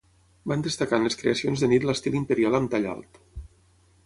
Van destacar en les creacions de nit l'estil imperial amb tall alt.